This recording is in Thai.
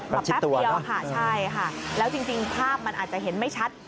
แป๊บเดียวค่ะใช่ค่ะแล้วจริงภาพมันอาจจะเห็นไม่ชัด